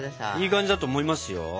いい感じだと思いますよ。